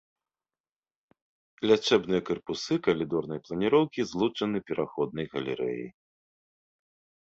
Лячэбныя карпусы калідорнай планіроўкі злучаны пераходнай галерэяй.